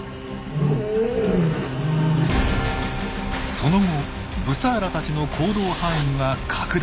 その後ブサーラたちの行動範囲は拡大。